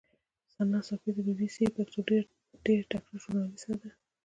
ثنا ساپۍ د بي بي سي پښتو ډېره تکړه ژورنالیسټه ده.